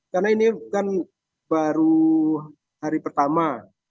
karena ini kan baru hari pertama